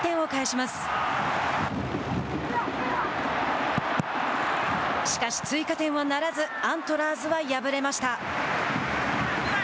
しかし、追加点はならずアントラーズは敗れました。